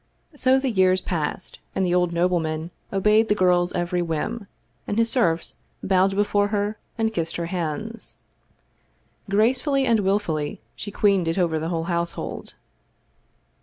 So the years passed, and the old nobleman obeyed the girl's every whim, and his serfs bowed before her and kissed her hands. Gracefully and willfully she queened it over the whole household.